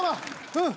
うん？